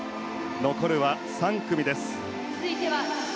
残るは３組です。